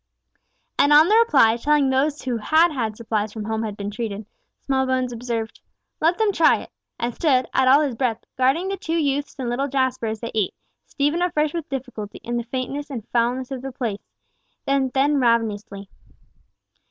And on their reply, telling how those who had had supplies from home had been treated, Smallbones observed, "Let them try it," and stood, at all his breadth, guarding the two youths and little Jasper, as they ate, Stephen at first with difficulty, in the faintness and foulness of the place, but then ravenously.